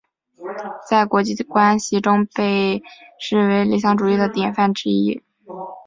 在国际关系中被视为理想主义的典范之一。